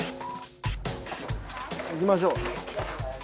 行きましょう。